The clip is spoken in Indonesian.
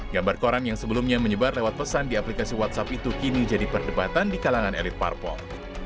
gambar koran yang sebelumnya menyebar lewat pesan di aplikasi whatsapp itu kini jadi perdebatan di kalangan elit parpol